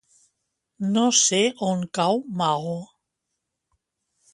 No sé on cau Maó.